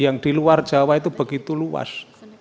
yang di luar jawa itu begitu luas